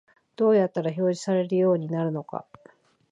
どうやったら表示されるようになるのか